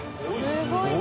すごいな。